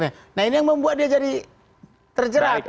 nah ini yang membuat dia jadi terjerat